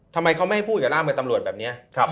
ทำไมเขาไม่ให้พูดกับร่ามมือตำรวจแบบนี้